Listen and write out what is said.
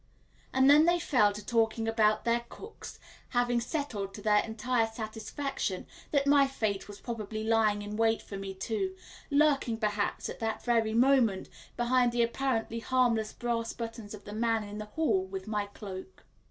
And then they fell to talking about their cooks, having settled to their entire satisfaction that my fate was probably lying in wait for me too, lurking perhaps at that very moment behind the apparently harmless brass buttons of the man in the hall with my cloak.